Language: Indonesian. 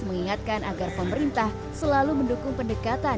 mengingatkan agar pemerintah selalu mendukung pendekatan